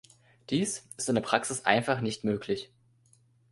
Dies ist in der Praxis einfach nicht möglich.